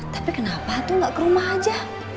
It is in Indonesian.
tapi kenapa tuh gak ke rumah aja